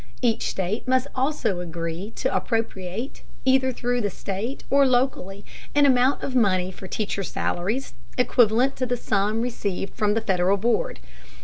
Each state must also agree to appropriate, either through the state or locally, an amount of money for teachers' salaries, equivalent to the sum received from the Federal board.